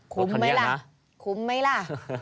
คุ้มไหมล่ะ